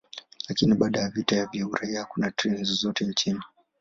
Lakini baada ya vita vya uraia, hakuna treni zozote nchini.